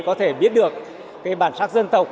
có thể biết được cái bản sắc dân tộc